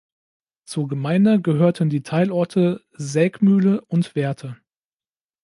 Zur Gemeinde gehörten die Teilorte Sägmühle und Werte.